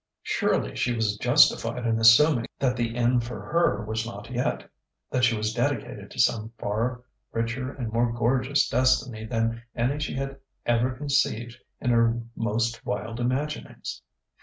Surely she was justified in assuming that the end for her was not yet, that she was dedicated to some far richer and more gorgeous destiny than any she had ever conceived in her most wild imaginings.